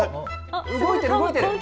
動いてる、動いてる。